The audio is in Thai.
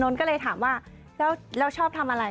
นนท์ก็เลยถามว่าแล้วแล้วชอบทำอะไร